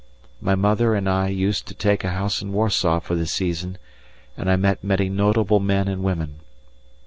My mother and I used to take a house in Warsaw for the season, and I met many notable men and women.